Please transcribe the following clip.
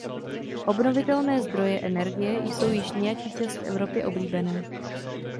Obnovitelné zdroje energie jsou již nějaký čas v Evropě oblíbené.